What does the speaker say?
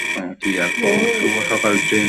শুভ সকাল, ট্রিনা।